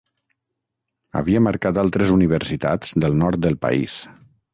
Havia marcat altres universitats del nord del país.